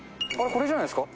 これじゃないですか？